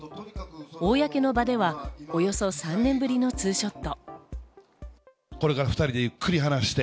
公の場ではおよそ３年ぶりのツーショット。